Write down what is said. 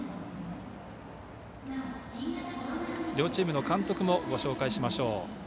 両チームの監督もご紹介します。